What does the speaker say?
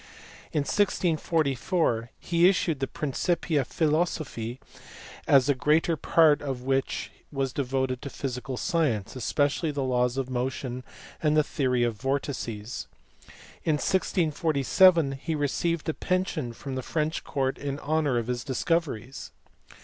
In 1644 he issued the Principia Philosophiae, the greater part of which was devoted to physical science, especially the laws of motion and the theory of vortices. In 1647 he received a pension from the French court in honour of his discoveries.